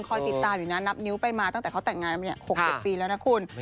คอยติดตามอยู่นะนับนิ้วไปมาตั้งแต่เขาแต่งงานมา๖๐ปีแล้วนะคุณ